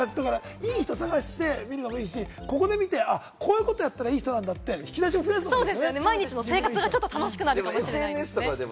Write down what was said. いい人探してるのもいいし、ここで見て、こうやったらいい人なんだって引き出しを増やすのもいい。